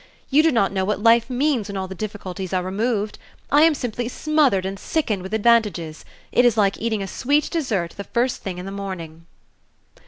You do not know what life means when all the difficulties are removed! I am simply smothered and sickened with advantages. It is like eating a sweet dessert the first thing in the morning."